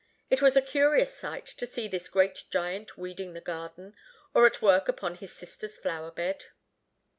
It was a curious sight to see this great giant weeding the garden, or at work upon his sister's flower bed.